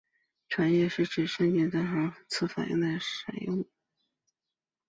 副产品是指衍生自制造过程或化学反应的次产物。